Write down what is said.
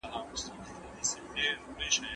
کوټه پاکه ده.